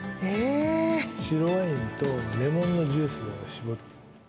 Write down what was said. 白ワインとレモンのジュースを搾る。